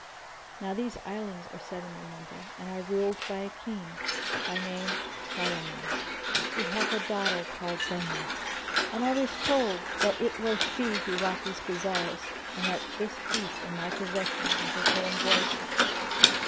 Now these islands are seven in number and are ruled by a King, by name Shahriman,[FN#7] who hath a daughter called Dunyá;[FN#8] and I was told that it was she who wrought these gazelles and that this piece in my possession was of her embroidery.